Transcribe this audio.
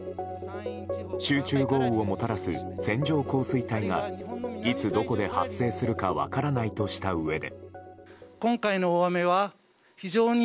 集中豪雨をもたらす線状降水帯がいつどこで発生するか分からないとしたうえで。